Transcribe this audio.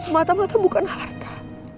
mata mata bukan harta